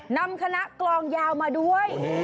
นำคณะกลองยาวมาด้วย